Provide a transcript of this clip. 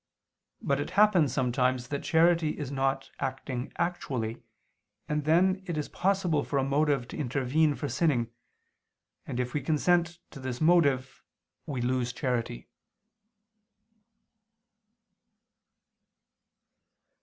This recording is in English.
But it happens sometimes that charity is not acting actually, and then it is possible for a motive to intervene for sinning, and if we consent to this motive, we lose charity.